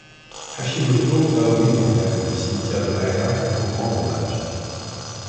Hashimoto va au mémorial du cimetière d'O'Hare pour rendre hommage.